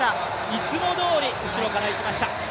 いつもどおり、後ろからいきました。